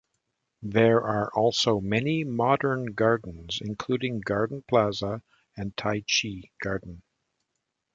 There are also many modern gardens, including Garden Plaza and Tai Chi Garden.